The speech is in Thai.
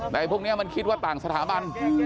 แต่พวกนี้มันคิดว่าต่างสถาบัน